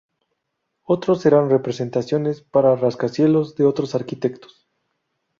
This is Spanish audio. Otros eran representaciones para rascacielos de otros arquitectos.